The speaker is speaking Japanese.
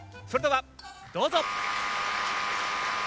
それではどうぞ。